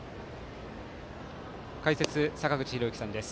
解説、坂口裕之さんです。